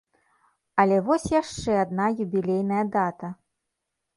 Але вось яшчэ адна юбілейная дата.